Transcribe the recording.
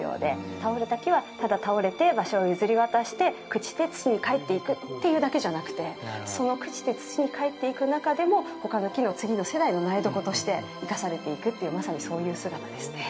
倒れた木は、ただ倒れて場所を譲り渡して朽ちて土にかえっていくというだけじゃなくて、その朽ちて土にかえっていく中でもほかの木の次の世代の苗床として生かされていくというまさに、そういう姿ですね。